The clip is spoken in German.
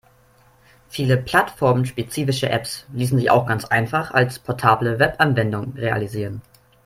Viele plattformspezifische Apps ließen sich auch ganz einfach als portable Webanwendung realisieren.